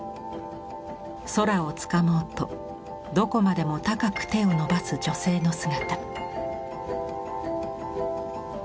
空をつかもうとどこまでも高く手を伸ばす女性の姿。